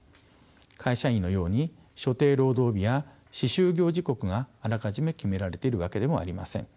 会社員のように所定労働日や始終業時刻があらかじめ決められているわけでもありません。